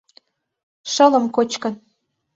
Шылым кочкын...